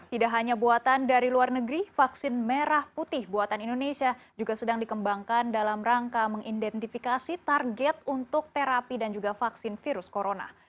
tidak hanya buatan dari luar negeri vaksin merah putih buatan indonesia juga sedang dikembangkan dalam rangka mengidentifikasi target untuk terapi dan juga vaksin virus corona